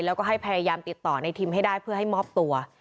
แล้วก็ให้พยายามติดต่อในทิมให้ได้เพื่อให้มอบตัว